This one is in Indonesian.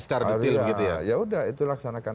secara detail begitu ya ya yaudah itu laksanakan